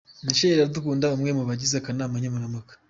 Michelle Iradukunda, umwe mu bagize akanama nkemurampaka.